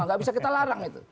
nggak bisa kita larang itu